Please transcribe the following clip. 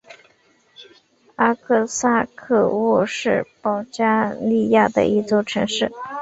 阿克萨科沃是保加利亚的一座城市。